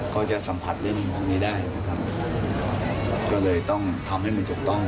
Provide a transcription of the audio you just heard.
เขาจะสัมผัสเล่นของนี้ได้นะครับก็เลยต้องทำให้มันจุดต้อง